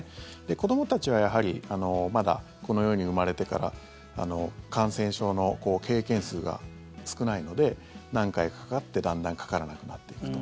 子どもたちはやはりまだ、この世に生まれてから感染症の経験数が少ないので何回か、かかってだんだんかからなくなっていくと。